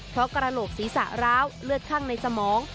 เพราะกระโหลกศีรษะร้าวเลือดข้างในสมอง